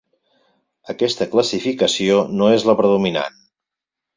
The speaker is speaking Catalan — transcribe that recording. Aquesta classificació no és la predominant.